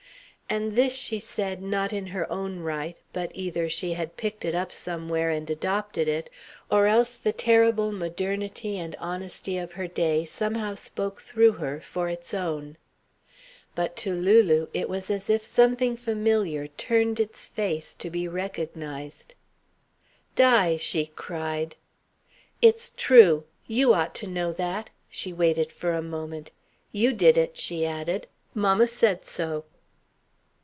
And this she said, not in her own right, but either she had picked it up somewhere and adopted it, or else the terrible modernity and honesty of her day somehow spoke through her, for its own. But to Lulu it was as if something familiar turned its face to be recognised. "Di!" she cried. "It's true. You ought to know that." She waited for a moment. "You did it," she added. "Mamma said so."